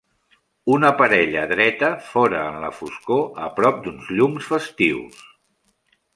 una parella dreta fora en la foscor a prop d'uns llums festius.